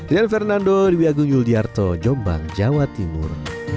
dan fernando dwi agung yuliartho jombang jawa timur